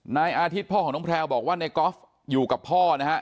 นายอาทิตย์พ่อของน้องแพลวบอกว่าในกอล์ฟอยู่กับพ่อนะฮะ